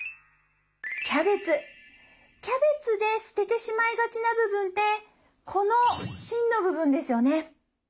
キャベツで捨ててしまいがちな部分ってこの芯の部分ですよね。